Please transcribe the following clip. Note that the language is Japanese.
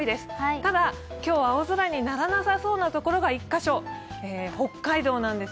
ただ、今日、青空にならなさそうな所が１カ所、北海道なんです。